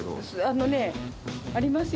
あのねありますよ